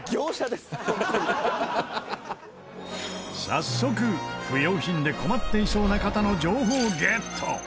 早速不要品で困っていそうな方の情報ゲット！